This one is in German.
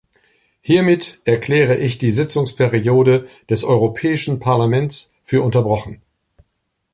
Hiermit erkläre ich die Sitzungsperiode des Europäischen Parlaments für unterbrochen.